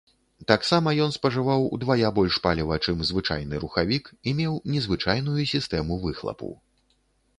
Таксама ён спажываў ўдвая больш паліва, чым звычайны рухавік, і меў незвычайную сістэму выхлапу.